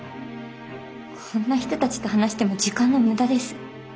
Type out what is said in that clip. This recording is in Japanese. こんな人たちと話しても時間の無駄です。